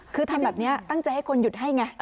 คือทำแบบนี้ตั้งใจให้คนหยุดให้ไง